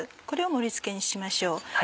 これを盛り付けにしましょう。